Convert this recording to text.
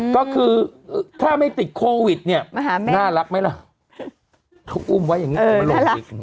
ก็คือถ้าไม่ติดโควิดเนี่ยน่ารักไหมล่ะเขาอุ้มไว้อย่างนี้มาลงอีก